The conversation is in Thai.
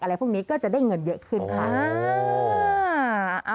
พวกนี้ก็จะได้เงินเยอะขึ้นค่ะ